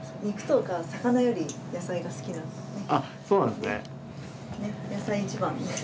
肉とか魚より野菜が好きなんで。